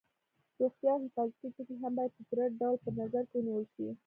روغتیا او حفاظتي ټکي هم باید په پوره ډول په نظر کې ونیول شي.